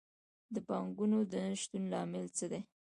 د پانګونې د نه شتون لامل څه دی؟